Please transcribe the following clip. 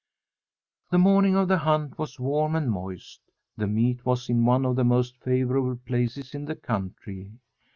The morning of the hunt was warm and moist. The meet was in one of the most favourable places in the country.